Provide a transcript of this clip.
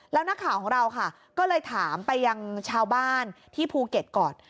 แล้วนักข่าวของเราค่ะก็เลยถามไปยังชาวบ้านที่ภูเก็ตก่อน